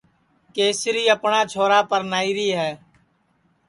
کَسری اپٹؔا چھورا پَرنائیری ہے